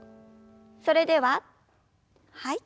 それでははい。